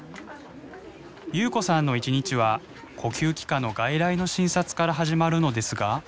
夕子さんの一日は呼吸器科の外来の診察から始まるのですが。